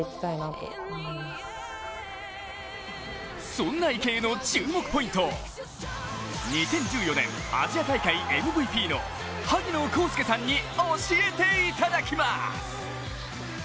そんな池江の注目ポイントを２０１４年アジア大会ＭＶＰの萩野公介さんに教えていただきます。